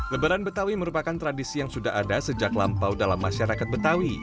lebaran betawi merupakan tradisi yang sudah ada sejak lampau dalam masyarakat betawi